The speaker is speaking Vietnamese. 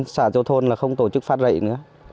xã châu thôn là không tổ chức phát rậy nữa